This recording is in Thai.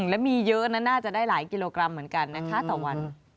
แล้วมีเยอะนะน่าจะได้หลายกิโลกรัมเหมือนกันนะคะต่อวัน